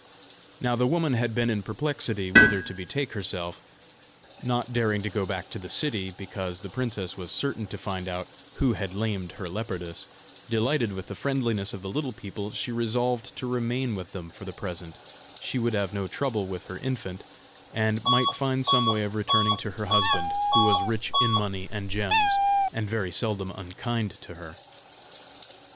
Now the woman had been in perplexity whither to betake herself, not daring to go back to the city, because the princess was certain to find out who had lamed her leopardess: delighted with the friendliness of the little people, she resolved to remain with them for the present: she would have no trouble with her infant, and might find some way of returning to her husband, who was rich in money and gems, and very seldom unkind to her.